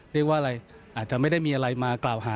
เรียกว่าอะไรอาจจะไม่ได้มีอะไรมากล่าวหา